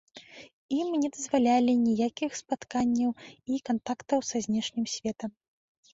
Ім не дазвалялі ніякіх спатканняў і кантактаў са знешнім светам.